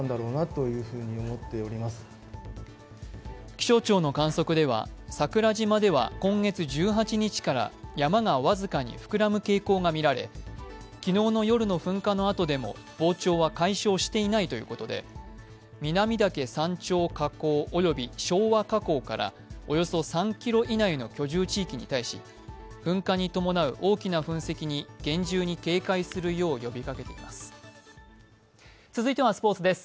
気象庁の観測では桜島では今月１８日から山が僅かに膨らむ傾向が見られ昨日の夜の噴火のあとでも膨張は解消していないということで南岳山頂火口および昭和火口からおよそ３ｋｍ以内の居住地域に対し、噴火に伴う大きな噴石に厳重に警戒するよう呼びかけています。